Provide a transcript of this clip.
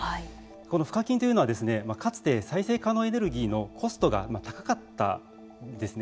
この賦課金というのは、かつて再生可能エネルギーのコストが高かったんですね。